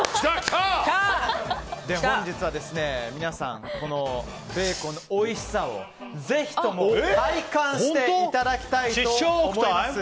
本日は皆さんにこのベーコンのおいしさをぜひとも体感していただきたいと思います。